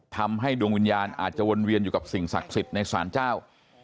ทำให้ดวงวิญญาณอาจจะวนเวียนอยู่กับสิ่งศักดิ์สิทธิ์ในศาลเจ้า